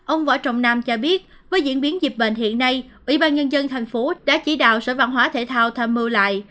ông võ trọng nam cho biết với diễn biến dịch bệnh hiện nay ủy ban nhân dân thành phố đã chỉ đạo sở văn hóa thể thao tham mưu lại